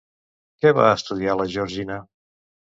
Què va estudiar la Georgina?